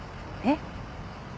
えっ？